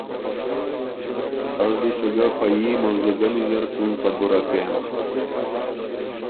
از دی سُو ګۀ پئ ييموضوګنی زر څُون خبُره کېم۔